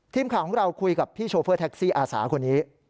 ทีมข่าวของเราคุยกับพี่โชเฟอร์แท็กซี่อาสาคนนี้